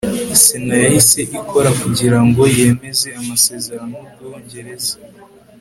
sena yahise ikora kugira ngo yemeze amasezerano n'ubwongereza